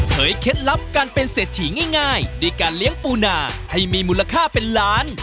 เคล็ดลับการเป็นเศรษฐีง่ายด้วยการเลี้ยงปูนาให้มีมูลค่าเป็นล้าน